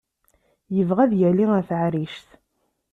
Yebɣa ad yali ar taɛrict.